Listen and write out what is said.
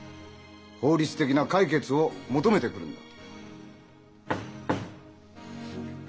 法律的な解決を求めて来るんだ。